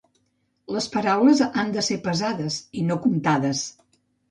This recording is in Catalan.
Les paraules han de ser pesades i no comptades.